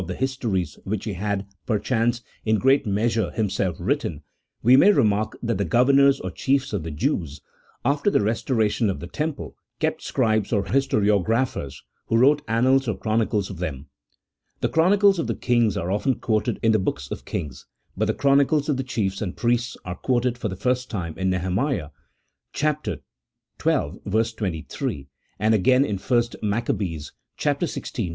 151 the histories which he had, perchance, in great measure himself written, we may remark that the governors or chiefs of the Jews, after the restoration of the Temple, kept scribes or historiographers, who wrote annals or chronicles of them. The chronicles of the kings are often quoted in the hooks of Kings, but the chronicles of the chiefs and priests are quoted for the first time in Nehemiah xii. 23, and again in 1 Mace. xvi.